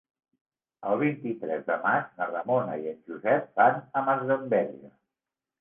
El vint-i-tres de maig na Ramona i en Josep van a Masdenverge.